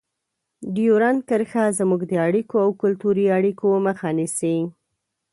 ډیورنډ کرښه زموږ د اړیکو او کلتوري اړیکو مخه نیسي.